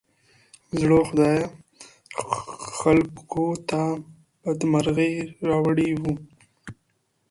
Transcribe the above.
زړو خدايانو خلګو ته بدمرغي راوړې وه.